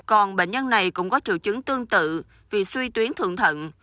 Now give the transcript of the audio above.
còn bệnh nhân này cũng có triệu chứng tương tự vì suy tuyến thượng thận